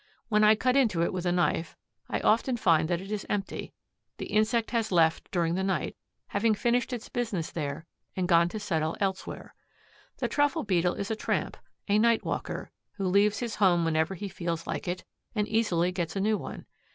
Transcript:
When I cut into it with a knife, I often find that it is empty. The insect has left during the night, having finished its business there and gone to settle elsewhere. The Truffle beetle is a tramp, a night walker, who leaves his home whenever he feels like it and easily gets a new one.